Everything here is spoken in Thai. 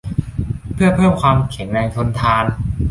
เพื่อเพิ่มความแข็งแรงทนทาน